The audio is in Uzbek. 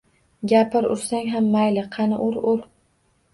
Gapir, ursang ham mayli, qani, ur, ur.